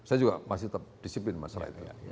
saya juga masih tetap disiplin masyarakat